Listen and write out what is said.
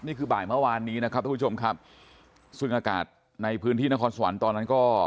นี่คือบ่ายเมื่อวานนี้นะครับทุกผู้ชมครับซึ่งอากาศในพื้นที่นครสวรรค์ตอนนั้นก็